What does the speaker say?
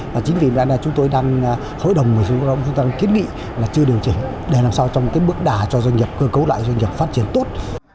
và chính vì vậy chúng tôi đang hội đồng chúng ta đang kiến nghị chưa điều chỉnh để làm sao trong bước đà cho doanh nghiệp cơ cấu lại doanh nghiệp phát triển tốt